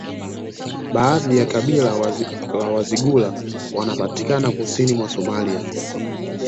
Baadhi ya kabila la Wazigula wanapatikana kusini mwa Somalia